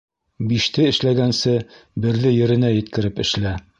Биште эшләгәнсе, берҙе еренә еткереп эшлә.